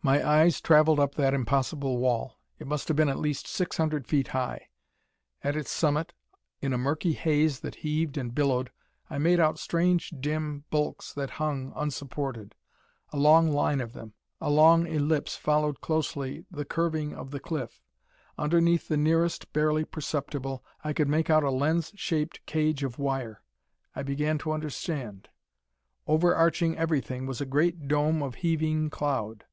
My eyes traveled up that impossible wall. It must have been at least six hundred feet high. At its summit, in a murky haze that heaved and billowed, I made out strange, dim bulks that hung, unsupported. A long line of them, a long ellipse following closely the curving of the cliff. Underneath the nearest, barely perceptible, I could make out a lens shaped cage of wire. I began to understand. Overarching everything was a great dome of heaving cloud.